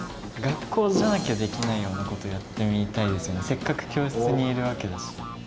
せっかく教室にいるわけだし。